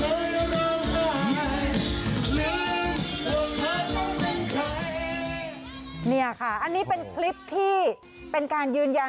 เป็นการยืนยันว่ามาเป็นคนสนิทกันนะคะมาร้านอาหารแล้วก็มาร้องเพลงด้วยกัน